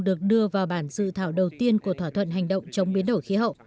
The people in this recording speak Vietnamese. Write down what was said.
được đưa vào bản dự thảo đầu tiên của thỏa thuận hành động chống biến đổi khí hậu